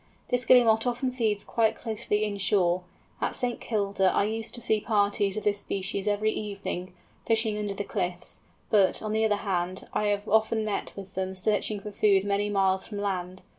This Guillemot often feeds quite close in shore. At St. Kilda I used to see parties of this species every evening, fishing under the cliffs; but, on the other hand, I have often met with them searching for food many miles from land.